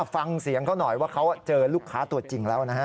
ฟังเสียงเขาหน่อยว่าเขาเจอลูกค้าตัวจริงแล้วนะฮะ